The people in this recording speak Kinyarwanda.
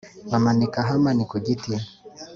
bamanika Hamani ku giti